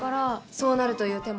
そうなるという手も。